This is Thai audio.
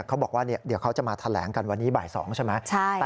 เขาบอกว่าเดี๋ยวเขาจะมาแถลงกันวันนี้บ่าย๒ใช่ไหม